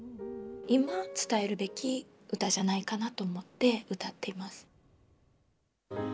いま伝えるべき歌じゃないかなと思って歌っています。